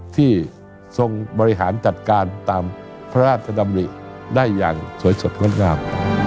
ที่ทรงบริหารจัดการตามพระราชดำริได้อย่างสวยสดงดงาม